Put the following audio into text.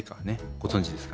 ご存じですか？